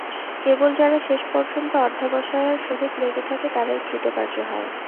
কেবল যারা শেষ পর্যন্ত অধ্যবসায়ের সহিত লেগে থাকে, তারাই কৃতকার্য হয়।